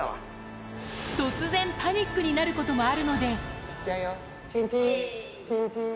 突然パニックになることもあるので。